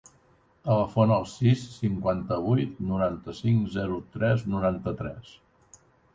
Telefona al sis, cinquanta-vuit, noranta-cinc, zero, tres, noranta-tres.